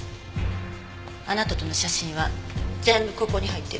あなたとの写真は全部ここに入ってる。